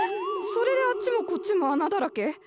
それであっちもこっちも穴だらけ。